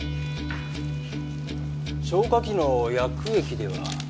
消火器の薬液では？